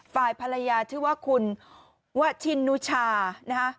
ฝ่ายภรรยาชื่อว่าคุณวะชินนุชานะคะ